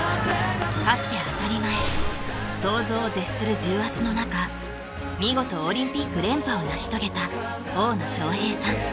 勝って当たり前想像を絶する重圧の中見事オリンピック連覇を成し遂げた大野将平さん